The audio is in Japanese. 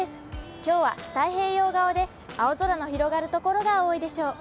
きょうは太平洋側で青空の広がる所が多いでしょう。